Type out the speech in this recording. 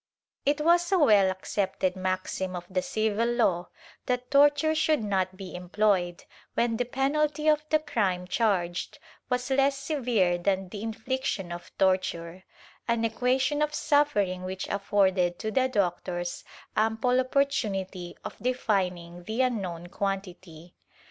g TORTURE [Book VI It was a well accepted maxim of the civil law that torture should not be employed when the penalty of the crime charged was less severe than the infliction of torture — an equation of suffering which afforded to the doctors ample opportunity of defining the unknown quantity.